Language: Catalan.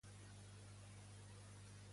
El mossèn té la informació que l'altre busca?